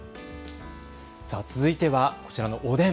さあ続いてはこちらのおでん。